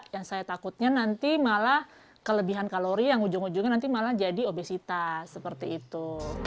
yang saya takutnya nanti malah kelebihan kalori yang ujung ujungnya nanti malah jadi obesitas seperti itu